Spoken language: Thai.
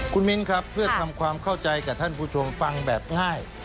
คุณมิ้นครับเพื่อทำความเข้าใจกับท่านผู้ชมฟังแบบง่าย